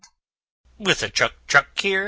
With a CHUCK CHUCK here, &c.